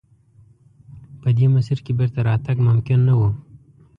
په دې مسیر کې بېرته راتګ ممکن نه و.